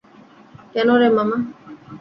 কেন রে মামা?